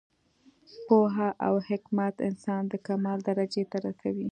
پوهه او حکمت انسان د کمال درجې ته رسوي.